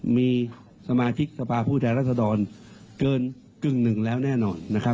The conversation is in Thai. มีสมาชิกสภาพผู้แทนรัศดรเกินกึ่งหนึ่งแล้วแน่นอนนะครับ